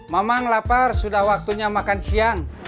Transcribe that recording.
memang lapar sudah waktunya makan siang